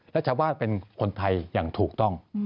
และชาวบ้านเป็นคนไทยอย่างถูกต้อง